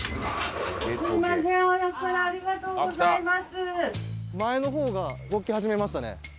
すみません早くからありがとうございます。